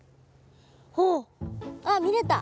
ほうあっ見れた。